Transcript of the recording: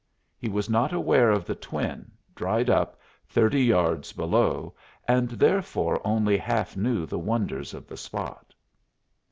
He was not aware of the twin, dried up, thirty yards below, and therefore only half knew the wonders of the spot.